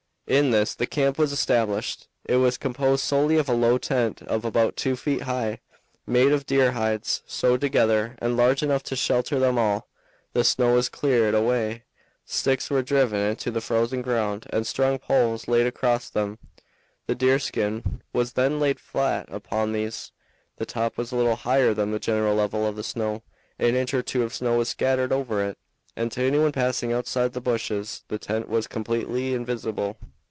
In this the camp was established. It was composed solely of a low tent of about two feet high, made of deer's hides sewed together, and large enough to shelter them all. The snow was cleared away, sticks were driven into the frozen ground, and strong poles laid across them; the deerskin was then laid flat upon these. The top was little higher than the general level of the snow, an inch or two of snow was scattered over it, and to anyone passing outside the bushes the tent was completely invisible.